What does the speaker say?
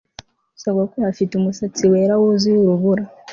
Sogokuru afite umusatsi wera wuzuye urubura